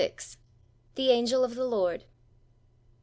THE ANGEL OF THE LORD.